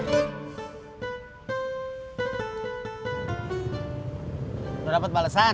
udah dapet balesan